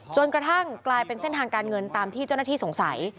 จนกระทั่งกลายเป็นเส้นทางการเงินตามที่เจ้าหน้าที่สงสัย